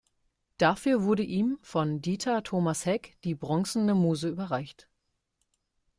Dafür wurde ihm von Dieter Thomas Heck die "Bronzene Muse" überreicht.